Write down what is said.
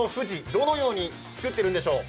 どのように作っているんでしょう。